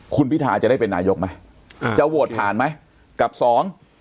คุณพิทาจะได้เป็นนายกไหมอ่าจะโหวตผ่านไหมกับสอง